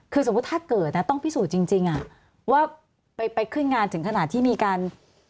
คือสมมุติถ้าเกิดต้องพิสูจน์จริงว่าไปขึ้นงานถึงขนาดที่มีการ